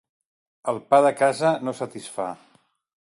El pa de casa no satisfà.